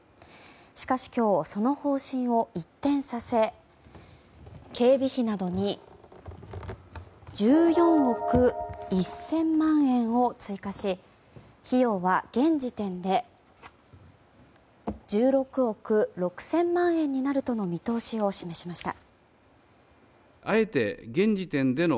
しかし今日、その方針を一転させ警備費などに１４億１０００万円を追加し費用は現時点で１６億６０００万円になるという見通しを示しました。